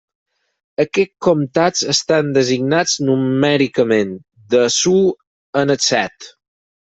Aquests comtats estan designats numèricament, de l'u al set.